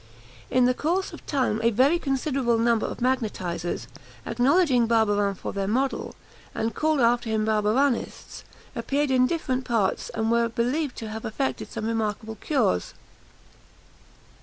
In the course of time a very considerable number of magnetisers, acknowledging Barbarin for their model, and called after him Barbarinists, appeared in different parts, and were believed to have effected some remarkable cures.